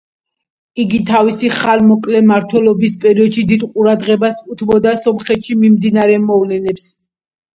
იგი თავისი ხანმოკლე მმართველობის პერიოდში დიდ ყურადღებას უთმობდა სომხეთში მიმდინარე მოვლენებს.